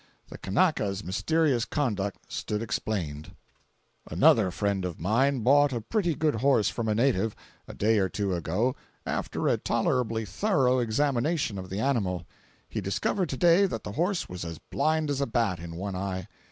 The Kanaka's mysterious conduct stood explained. 470.jpg (33K) Another friend of mine bought a pretty good horse from a native, a day or two ago, after a tolerably thorough examination of the animal. He discovered today that the horse was as blind as a bat, in one eye.